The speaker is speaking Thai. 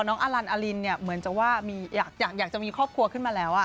น้องอลาร์ลินเหมือนจะว่าอยากจะมีครอบครัวขึ้นมาแล้ว